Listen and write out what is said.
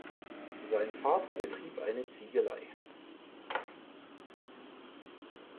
Sein Vater betrieb eine Ziegelei.